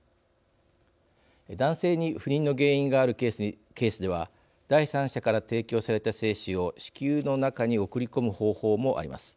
男性に不妊の原因があるケースでは第三者から提供された精子を子宮の中に送り込む方法もあります。